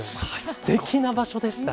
すてきな場所でしたね。